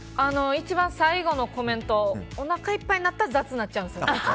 一番最後のコメントおなかいっぱいになったら雑になっちゃうんですよね。